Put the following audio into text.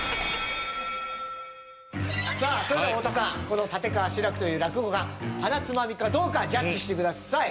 さあそれでは太田さんこの立川志らくという落語家はなつまみかどうかジャッジしてください。